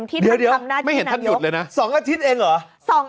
เดี๋ยวไม่เห็นท่านหยุดเลยนะ๒อาทิตย์เองเหรอ